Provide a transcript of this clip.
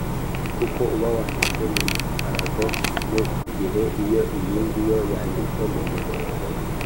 kuko uba wanditse mu mikarago mu gihe iyo yindi yo yanditse mu mirongo.